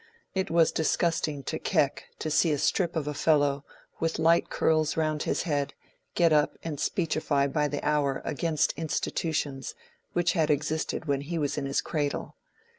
It was disgusting to Keck to see a strip of a fellow, with light curls round his head, get up and speechify by the hour against institutions "which had existed when he was in his cradle."